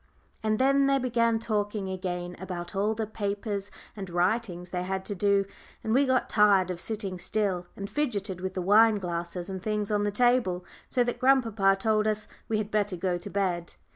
And then they began talking again about all the papers and writings they had to do, and we got tired of sitting still, and fidgeted with the wine glasses and things on the table, so that grandpapa told us we had better go to bed.